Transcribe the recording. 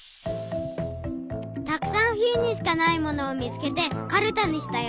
たくさんふゆにしかないものをみつけてカルタにしたよ。